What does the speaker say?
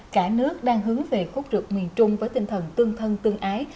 cả nước đang hướng về khuất rượt miền trung với tinh thần tương thân tương ái